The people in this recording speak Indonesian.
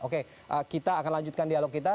oke kita akan lanjutkan dialog kita